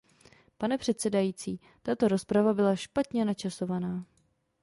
Pane předsedající, tato rozprava byla špatně načasovaná.